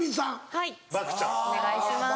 はいお願いします。